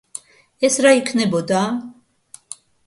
ეს რა იქნებოდა?